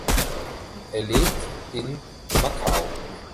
Er lebt in Macau.